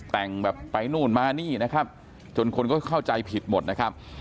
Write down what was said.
แต่งแบบไปนู่นมานี่นะครับจนคนก็เข้าใจผิดหมดนะครับ